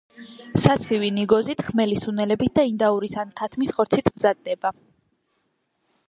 საცივი ნიგოზით, ხმელი სუნელებით და ინდაურის ან ქათმის ხორცით მზადდება.